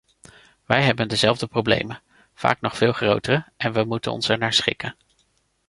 Wij hebben dezelfde problemen, vaak nog veel grotere, en we moeten ons ernaar schikken.